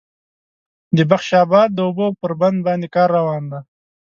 د بخش آباد د اوبو پر بند باندې کار روان دی